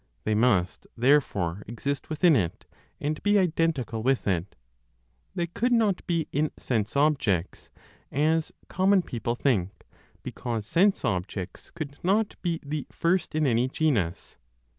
They must therefore exist within it, and be identical with it. They could not be in sense objects, as common people think, because sense objects could not be the first in any genus.